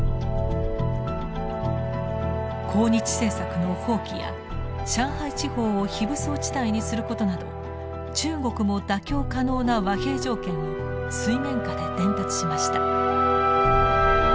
抗日政策の放棄や上海地方を非武装地帯にすることなど中国も妥協可能な和平条件を水面下で伝達しました。